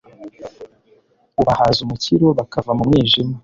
ubahaza umukiro bakava mu mwijima